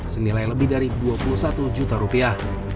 senilai lebih dari dua puluh satu juta rupiah